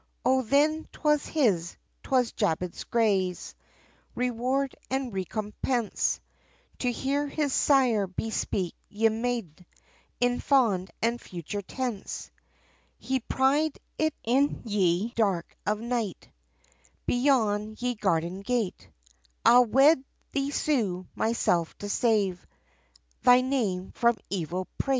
O then 'twas his, 'twas Jabez Gray's Reward and recompense, To hear his Sire bespeake ye Mayde, In fond and future tense, He pry'd it in ye dark of night, Beyond ye garden gate, "I'll wed thee Sue, myself, to save Thy name from evil prate."